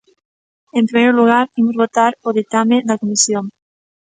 En primeiro lugar, imos votar o ditame da comisión.